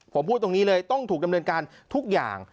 ผมพูดตรงนี้เลยต้องถูกดำเนินการทุกอย่าง